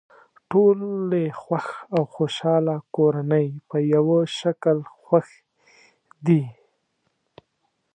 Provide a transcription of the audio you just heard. ټولې خوښ او خوشحاله کورنۍ په یوه شکل خوښې دي.